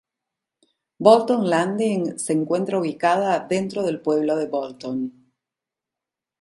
Bolton Landing se encuentra ubicada dentro del pueblo de Bolton.